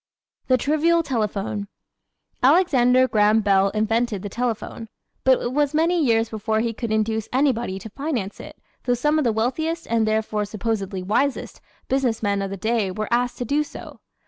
The Trivial Telephone ¶ Alexander Graham Bell invented the telephone. But it was many years before he could induce anybody to finance it, though some of the wealthiest, and therefore supposedly wisest, business men of the day were asked to do so.